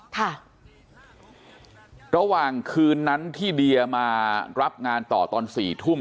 ค่ะระหว่างคืนนั้นที่เดียมารับงานต่อตอนสี่ทุ่ม